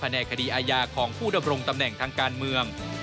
ในคดีอาญาของผู้ดำรงตำแหน่งทางการเมือง